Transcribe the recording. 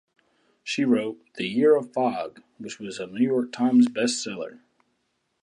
She wrote "The Year of Fog", which was a New York Times bestseller.